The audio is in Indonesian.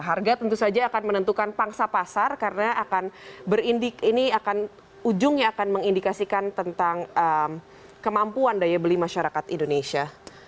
harga tentu saja akan menentukan pangsa pasar karena akan berindik ini akan ujungnya akan mengindikasikan tentang kemampuan daya beli masyarakat indonesia